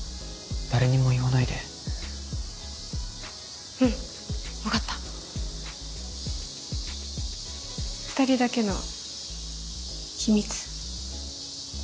誰にも言わないでうん分かった２人だけの秘密